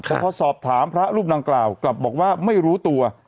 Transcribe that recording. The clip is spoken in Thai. แต่พอสอบถามพระรูปดังกล่าวกลับบอกว่าไม่รู้ตัว